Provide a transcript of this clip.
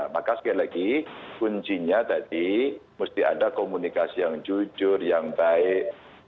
maka sekali lagi kuncinya tadi mesti ada komunikasi yang jujur yang baik